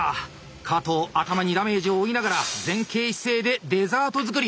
加藤頭にダメージを負いながら前傾姿勢でデザート作り。